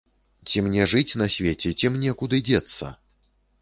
Ці мне жыць на свеце, ці мне куды дзецца?